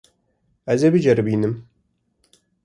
Ez ê biceribînim.